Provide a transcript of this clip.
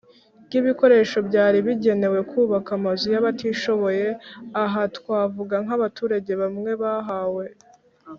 ry ibikoresho byari bigenewe kubaka amazu y abatishoboye Aha twavuga nk abaturage bamwe bahawe